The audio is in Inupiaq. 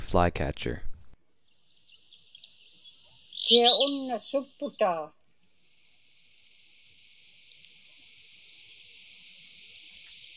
kia unna supputaa?